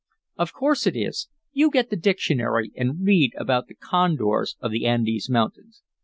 "Of course it is! You get the dictionary and read about the condors of the Andes Mountains."